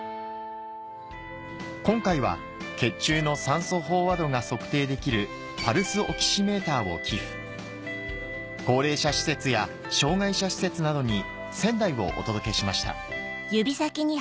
今回は血中の酸素飽和度が測定できるパルスオキシメーターを寄付高齢者施設や障がい者施設などに１０００台をお届けしました